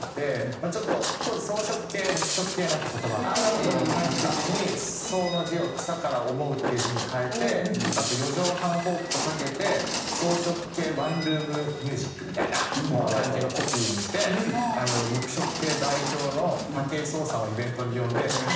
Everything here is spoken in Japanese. まあちょっと当時「草食系」「肉食系」なんて言葉もはやった時に「草」の字を「草」から「想う」っていう字に変えてあと「４畳半フォーク」とかけて「想食系ワンルームミュージック」みたいな感じのコピーにして肉食系代表の武井壮さんをイベントに呼んで。